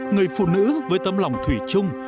người phụ nữ với tâm lòng thủy chung